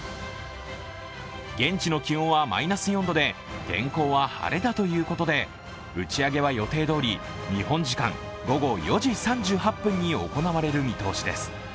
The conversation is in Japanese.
現地の気温はマイナス４度で天候は晴れだということで売り上げは予定どおり日本時間午後４時３８分に行われる見通しです。